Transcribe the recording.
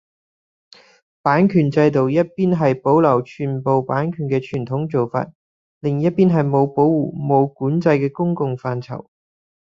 版權制度一邊係保留全部版權嘅傳統做法，另一邊係冇保護，冇管制嘅公共範疇